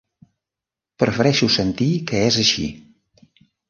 Prefereixo sentir que és així.